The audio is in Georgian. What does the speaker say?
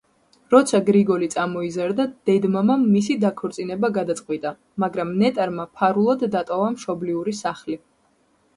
როცა გრიგოლი წამოიზარდა, დედ-მამამ მისი დაქორწინება გადაწყვიტა, მაგრამ ნეტარმა ფარულად დატოვა მშობლიური სახლი.